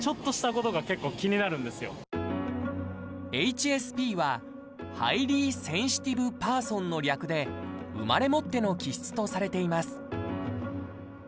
ＨＳＰはハイリー・センシティブ・パーソンの略で生まれ持っての気質とされています。